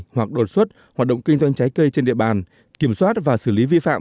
hoặc đột xuất hoạt động kinh doanh trái cây trên địa bàn kiểm soát và xử lý vi phạm